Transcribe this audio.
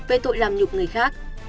về tội làm nhục người khác